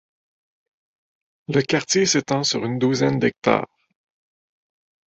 Le quartier s'étend sur une douzaine d'hectares.